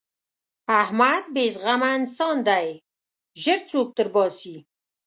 احمد بې زغمه انسان دی؛ ژر سوک تر باسي.